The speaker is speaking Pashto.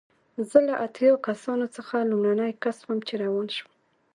زه له اتیا کسانو څخه لومړنی کس وم چې روان شوم.